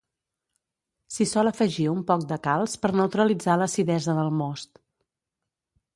S'hi sol afegir un poc de calç per neutralitzar l'acidesa del most.